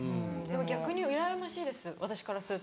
逆にうらやましいです私からすると。